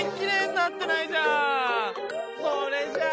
それじゃあ